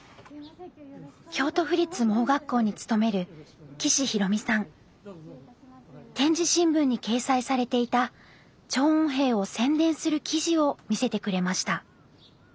京都府立盲学校に勤める点字新聞に掲載されていた聴音兵を宣伝する記事を見せてくれました。